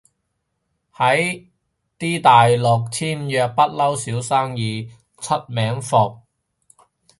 啲大陸簽售不嬲少生意，出名伏